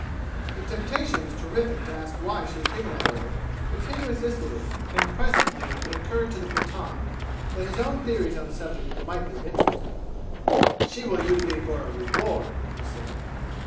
The temptation was terrific to ask why she had given that order, but King resisted it; and presently it occurred to the Pathan that his own theories on the subject might be of interest. "She will use thee for a reward," he said.